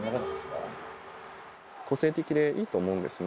個性的でいいと思うんですね。